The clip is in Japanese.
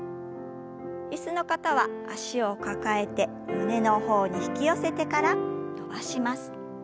椅子の方は脚を抱えて胸の方に引き寄せてから伸ばします。